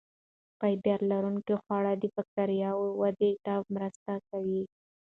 فایبر لرونکي خواړه د بکتریاوو ودې ته مرسته کوي.